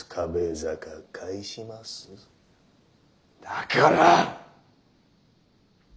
だからッ！